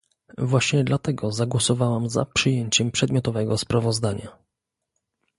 Właśnie dlatego zagłosowałam za przyjęciem przedmiotowego sprawozdania